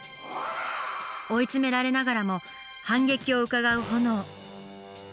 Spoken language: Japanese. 追い詰められながらも反撃をうかがうホノオ。